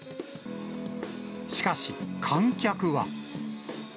しかし、観客は。